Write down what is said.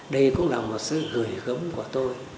đây cũng là một sự gửi gấm của tôi